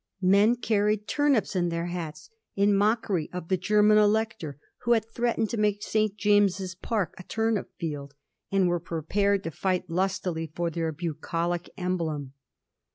Men carried turnips in their hats in mockery of the Grerman elector who had threatened to make St. James's Park a turnip field, and were prepared to fight lustily for their bucolic emblem.